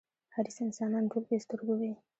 حریص انسانان ټول بې سترگو وي.